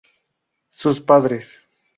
Sus padres.